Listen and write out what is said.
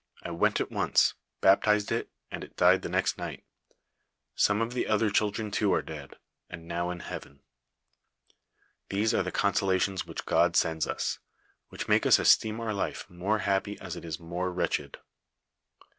I went at once, baptized it, and it died the next night. Some of the other children too are dead, and now in heaven. These are the consolations which God sends us, which make us esteem our life more happy as it is more wretched.